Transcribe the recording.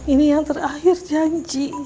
ini yang terakhir janji